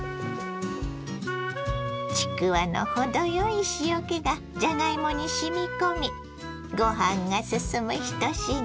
ちくわの程よい塩気がじゃがいもにしみ込みごはんが進む１品。